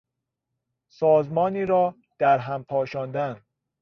سازمانی را درهم پاشاندن